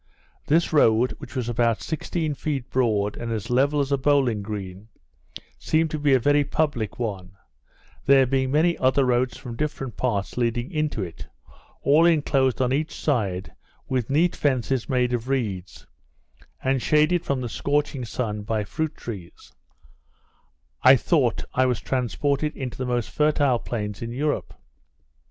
This road, which was about sixteen feet broad, and as level as a bowling green, seemed to be a very public one; there being many other roads from different parts, leading into it, all inclosed on each side, with neat fences made of reeds, and shaded from the scorching sun by fruit trees, I thought I was transported into the most fertile plains in Europe.